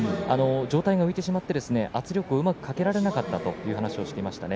上体が浮いてしまって圧力をうまくかけられなかったという話をしていました。